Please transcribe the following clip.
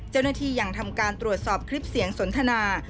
เจ้าหน้าที่ยังทำการตรวจสอบคลิปเสียงสนทนา